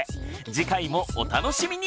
次回もお楽しみに！